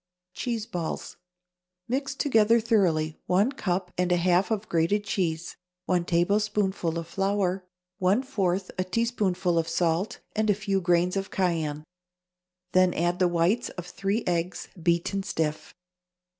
=Cheese Balls.= Mix together thoroughly one cup and a half of grated cheese, one tablespoonful of flour, one fourth, a teaspoonful of salt and a few grains of cayenne; then add the whites of three eggs, beaten stiff.